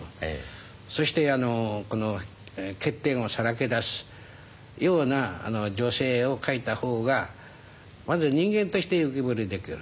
そして欠点をさらけ出すような女性を書いた方がまず人間として浮き彫りにできる。